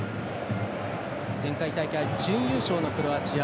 前回大会準優勝のクロアチア。